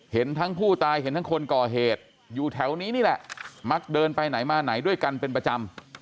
เห็นทั้งผู้ตายเห็นทั้งคนก่อเหตุอยู่แถวนี้นี่แหละมักเดินไปไหนมาไหนด้วยกันเป็นประจำ